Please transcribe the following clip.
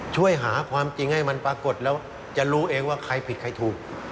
ช่วยหาความจริงให้มันปรากฏแล้วจะรู้เองว่าใครผิดใครถูก